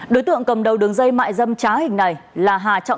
đối tượng cầm đầu đường dây mại dâm trái hình này là hà trọng thảo